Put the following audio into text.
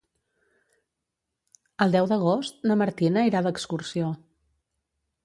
El deu d'agost na Martina irà d'excursió.